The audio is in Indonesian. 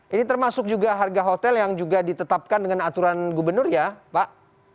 ini termasuk juga harga hotel yang juga ditetapkan dengan aturan gubernur ya pak